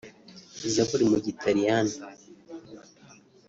zaburi mu Gitaliyani